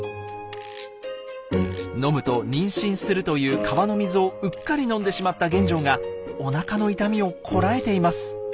飲むと妊娠するという川の水をうっかり飲んでしまった玄奘がおなかの痛みをこらえています。